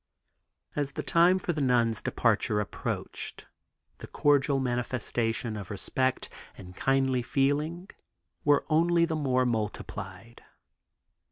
As the time for the nuns' departure approached the cordial manifestations of respect and kindly feeling were only the more multiplied.